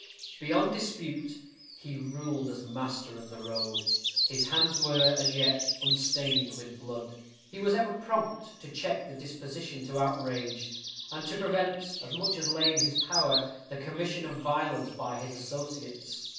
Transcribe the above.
Beyond dispute, he ruled as master of the road. His hands were, as yet, unstained with blood; he was ever prompt to check the disposition to outrage, and to prevent, as much as lay in his power, the commission of violence by his associates.